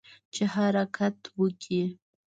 چې حرکت وکړي.